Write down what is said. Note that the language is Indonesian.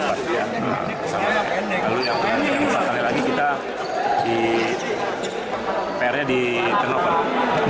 lalu yang keempat kali lagi kita pr nya di turnover